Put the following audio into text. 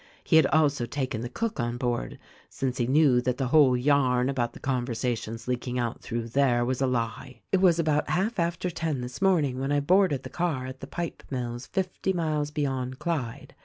He had also taken the cook on board, since he knew that the whole yarn about the conversation's leaking out through there was a lie. "It was about half after ten this morning when I boarded the car at the pipe mills fifty miles beyond Clyde.